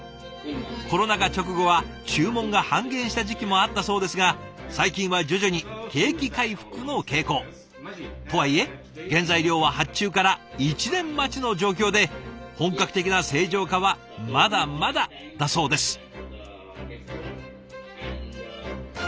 コロナ禍直後は注文が半減した時期もあったそうですが最近は徐々に景気回復の傾向。とはいえ原材料は発注から１年待ちの状況で本格的な正常化はまだまだだそうです。